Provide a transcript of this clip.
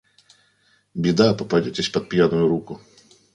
Беда, попадетесь под пьяную руку.